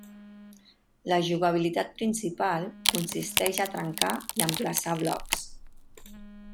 La jugabilitat principal consisteix a trencar i emplaçar blocs.